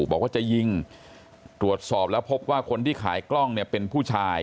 บอกว่าจะยิงตรวจสอบแล้วพบว่าคนที่ขายกล้องเนี่ยเป็นผู้ชาย